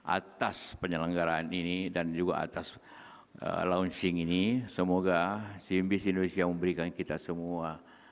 atas penyelenggaraan ini dan juga atas launching ini semoga cnbc indonesia memberikan kita semua